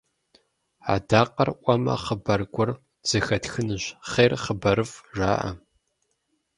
Адакъэр ӏуэмэ, хъыбар гуэр зэхэтхынущ, «хъер, хъыбарыфӏ» жаӏэ.